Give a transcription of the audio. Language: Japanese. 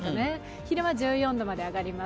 昼間１４度まで上がります。